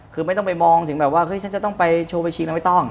คือไม่ต้องไปมองจะต้องไปโชว์ไปชิงแล้วไม่ต้อง